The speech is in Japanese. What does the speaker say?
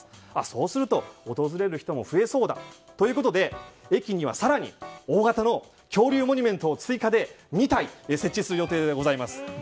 そうすると訪れる人も増えそうだということで駅には更に大型の恐竜モニュメントを追加で２体設置する予定でございます。